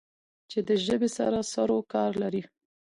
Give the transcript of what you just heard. چې د ژبې سره سرو کار لری